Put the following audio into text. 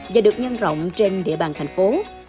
và được nhân rộng trên địa bàn thành phố